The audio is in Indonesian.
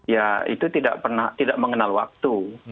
ya itu tidak mengenal waktu